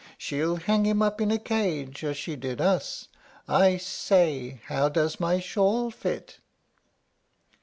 She'll hang him up in a cage, as she did us. I say, how does my shawl fit?"